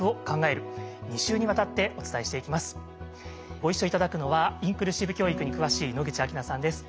ご一緒頂くのはインクルーシブ教育に詳しい野口晃菜さんです。